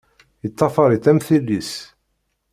Yeṭṭafaṛ-it am tili-s!